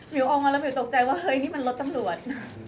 ออกมาแล้ววิวตกใจว่าเฮ้ยนี่มันรถตำรวจ